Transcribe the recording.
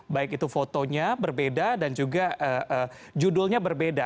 baik itu fotonya berbeda dan juga judulnya berbeda